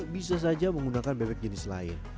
bisa saja menggunakan bebek jenis lain